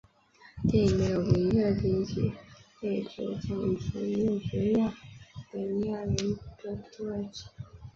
电影没有明确提及被指种族灭绝亚美尼亚人的土耳其。